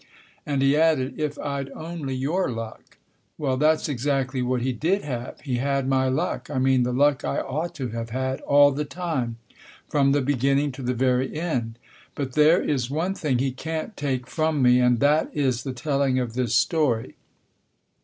And he added " If I'd only your luck !" Well, that's exactly what he did have. He had my luck, I mean the luck I ought to have had, all the time, from the beginning to the very end. But there is one thing he can't take from me, and that is the telling of this story.